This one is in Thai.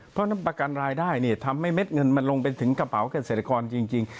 เพราะฉะนั้นประกันรายได้ทำให้เม็ดเงินมันลงไปถึงกระเป๋าเกษตรกรจริง